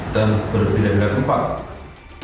dan berbeda beda tumpang